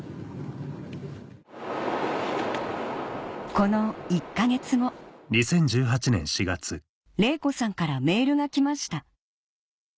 この１か月後玲子さんからメールが来ました